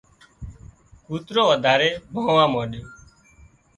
ڪوترو وڌاري ڀانهوا مانڏيو